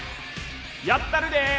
やったるでー！